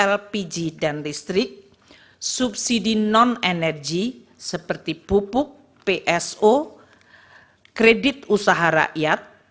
lpg dan listrik subsidi non energi seperti pupuk pso kredit usaha rakyat